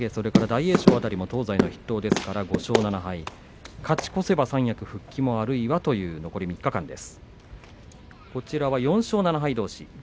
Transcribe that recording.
若隆景、大栄翔東西の筆頭ですから５勝７敗勝ち越せば三役復帰もあるんだという残り３日間です。